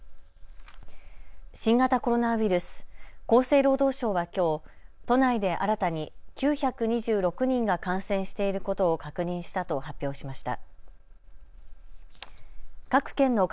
新型コロナウイルス、厚生労働省はきょう都内で新たに９２６人が感染していることを確認したと発表しました。